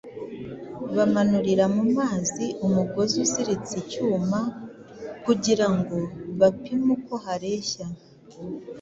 Bamanurira mu mazi umugozi uziritse icyuma kugira ngo bapime uko hareshya